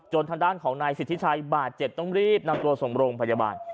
ทางด้านของนายสิทธิชัยบาดเจ็บต้องรีบนำตัวส่งโรงพยาบาล